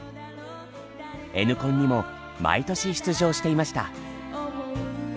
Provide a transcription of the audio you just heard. Ｎコンにも毎年出場していました。